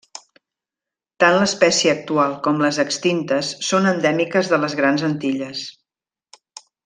Tant l'espècie actual com les extintes són endèmiques de les Grans Antilles.